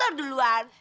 gak perlu duluan